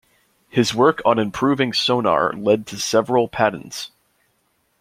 His work on improving sonar led to several patents.